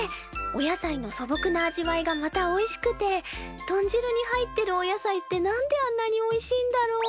お野菜の素朴な味わいがまたおいしくて豚汁に入ってるお野菜って何であんなにおいしいんだろう。